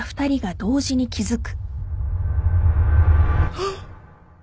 あっ！